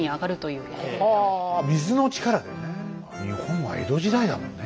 日本は江戸時代だもんね